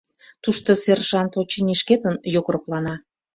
Тушто сержант, очыни, шкетын йокроклана.